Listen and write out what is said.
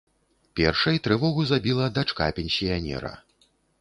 Першай трывогу забіла дачка пенсіянера.